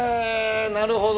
なるほど。